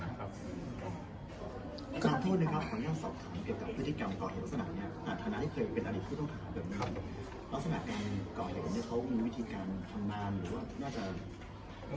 ซักอย่างเขาสมดักก่อนแล้วเขามีวิธีการทำงานหรือว่าน่าจะ